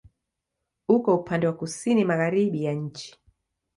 Uko upande wa kusini-magharibi ya nchi.